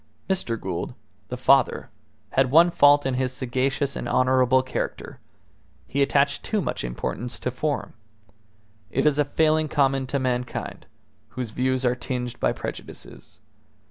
Mr. Gould, the father, had one fault in his sagacious and honourable character: he attached too much importance to form. It is a failing common to mankind, whose views are tinged by prejudices.